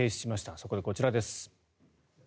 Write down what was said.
そこでこちらです。